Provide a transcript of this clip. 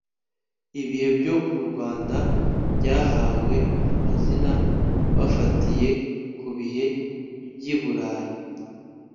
ibihe byo mu rwanda byahawe amazina bafatiye ku bihe by'iburayi